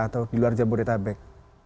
atau di luar jabodetabek